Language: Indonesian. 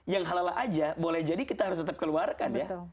yang halallah aja boleh jadi kita harus tetap keluarkan ya